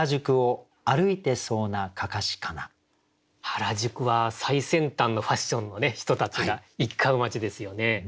原宿は最先端のファッションの人たちが行き交う街ですよね。